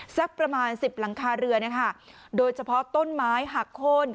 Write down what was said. สักประมาณสิบหลังคาเรือนนะคะโดยเฉพาะต้นไม้หักโค้น